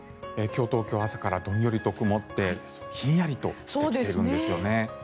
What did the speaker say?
今日、東京朝からどんよりと曇ってひんやりとしてきているんですよね。